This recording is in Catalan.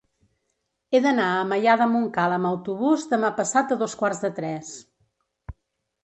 He d'anar a Maià de Montcal amb autobús demà passat a dos quarts de tres.